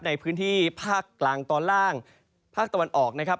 ในพื้นที่ภาคกลางตอนล่างภาคตะวันออกนะครับ